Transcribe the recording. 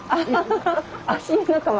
足湯仲間。